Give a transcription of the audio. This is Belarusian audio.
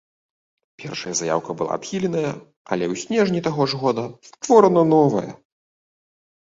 Першая заяўка была адхіленая, але ў снежні таго ж года створана новая.